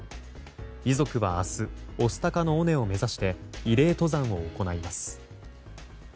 遺族は明日御巣鷹の尾根を目指して慰霊登山を行います。